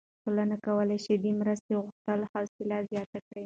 ټولنه کولی شي د مرستې غوښتلو حوصله زیاته کړي.